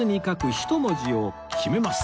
１文字を決めます